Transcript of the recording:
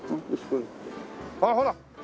あっほら！